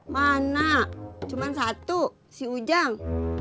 mana cuma satu si ujang